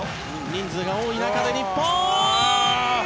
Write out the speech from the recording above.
人数が多い中で、日本！